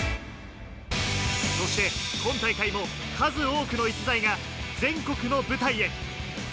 そして今大会も数多くの逸材が全国の舞台へ。